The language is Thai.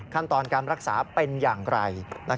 ขั้นตอนการรักษาเป็นอย่างไร